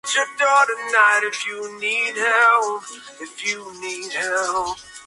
Son, sin embargo, escasos los restos del periodo bizantino.